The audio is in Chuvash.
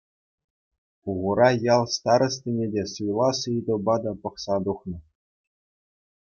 Пухура ял старостине те суйлас ыйтӑва та пӑхса тухнӑ.